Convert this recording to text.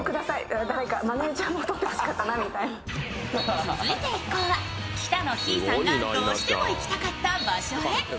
続いて一行は北乃きいさんがどうしても行きたかった場所へ。